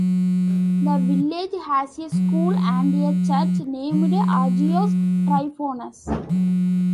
The village has a school and a church named Agios Tryphonas.